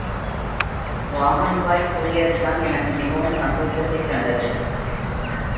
வாமன்பாய் கூறியதுதான் எனக்கு மிகவும் சந்தோஷத்தைத் தந்தது.